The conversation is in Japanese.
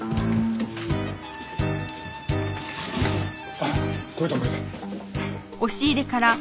あっこれだこれだ。